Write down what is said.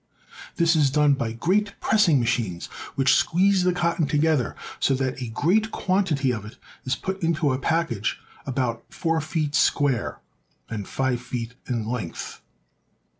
This is done by great pressing machines, which squeeze the cotton together so that a great quantity of it is put into a package about four feet square and five feet in length.